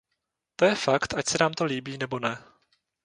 To je fakt, ať se nám to líbí nebo ne.